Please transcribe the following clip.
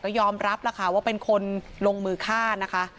ก็ยอมรับแล้วค่ะว่าเป็นคนลงมือฆ่านะคะ